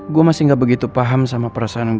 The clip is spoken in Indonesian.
gue masih gak begitu paham sama perasaan gue ke lu